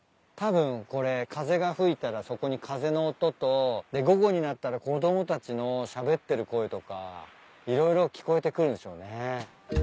たぶんこれ風が吹いたらそこに風の音とで午後になったら子供たちのしゃべってる声とか色々聞こえてくるんでしょうね。